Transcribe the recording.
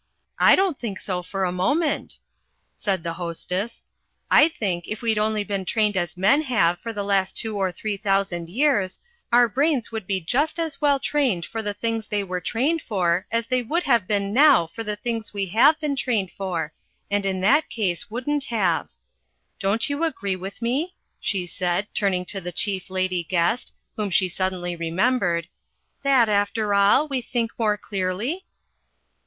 "I don't think so for a moment," said the Hostess. "I think if we'd only been trained as men have for the last two or three thousand years our brains would be just as well trained for the things they were trained for as they would have been now for the things we have been trained for and in that case wouldn't have. Don't you agree with me," she said, turning to the Chief Lady Guest, whom she suddenly remembered, "that, after all, we think more clearly?"